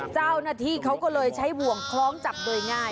เจ้าหน้าที่เขาก็เลยใช้บ่วงคล้องจับโดยง่าย